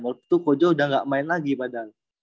waktu itu kojo udah gak main lagi padahal